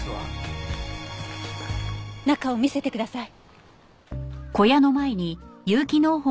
中を見せてください。